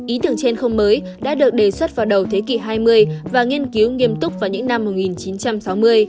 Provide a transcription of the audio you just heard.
ý tưởng trên không mới đã được đề xuất vào đầu thế kỷ hai mươi và nghiên cứu nghiêm túc vào những năm một nghìn chín trăm sáu mươi